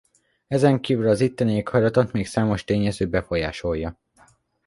Ezen kívül az itteni éghajlatot még számos tényező befolyásolja.